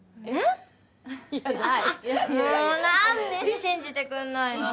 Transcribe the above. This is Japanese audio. もう何で信じてくんないの？